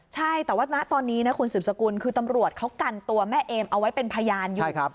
ใช่แต่ว่าณตอนนี้นะคุณสืบสกุลคือตำรวจเขากันตัวแม่เอมเอาไว้เป็นพยานอยู่